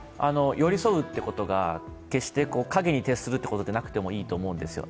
寄りそうということが決して影に徹するということでなくてもいいと思うんですよ。